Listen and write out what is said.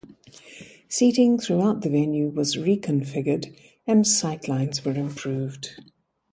Seating throughout the venue was reconfigured and sight lines were improved.